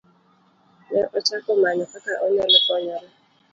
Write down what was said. Ne ochako manyo kaka onyalo konyore.